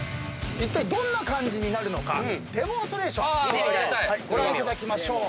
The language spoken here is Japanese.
いったいどんな感じになるのかデモンストレーションご覧いただきましょうお願いしまーす！